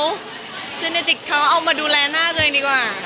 อันนั้นไม่ได้เจเนติกเขาเอามาดูแลหน้าตัวเองดีกว่า